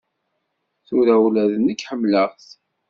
Tura ula d nekk ḥemmleɣ-t.